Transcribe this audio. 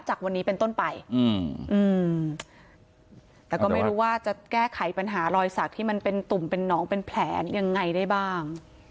จากวันนี้เป็นต้นไปแต่ก็ไม่รู้ว่าจะแก้ไขปัญหารอยสักที่มันเป็นตุ่มเป็นน้องเป็นแผลยังไงได้บ้าง